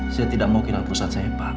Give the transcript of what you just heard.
saya tidak mau kenal perusahaan saya pak